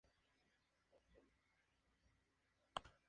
Su reemplazo fue Tyrone Corbin.